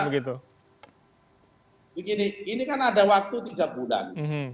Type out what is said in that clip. ini kan ada begini ini kan ada waktu tiga bulan